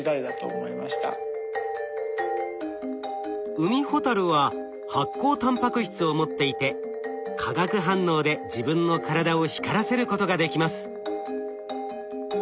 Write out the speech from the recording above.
ウミホタルは発光タンパク質を持っていて化学反応で自分の体を光らせることができます。